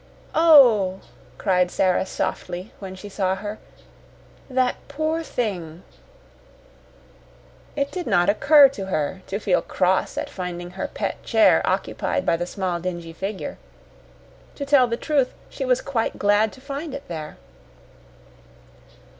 "Oh!" cried Sara, softly, when she saw her. "That poor thing!" It did not occur to her to feel cross at finding her pet chair occupied by the small, dingy figure. To tell the truth, she was quite glad to find it there.